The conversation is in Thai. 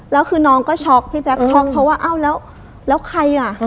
แล้วคือน้องก็ช็อกพี่แจ๊คช็อกเพราะว่าเอ้าแล้วแล้วใครอ่ะ